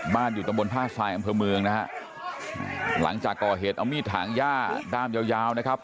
อยู่ตำบลท่าทรายอำเภอเมืองนะฮะหลังจากก่อเหตุเอามีดถางย่าด้ามยาวยาวนะครับ